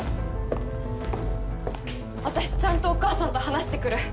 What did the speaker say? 私ちゃんとお母さんと話してくる。